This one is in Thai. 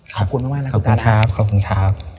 ขอบคุณมากนะคุณตาครับขอบคุณครับ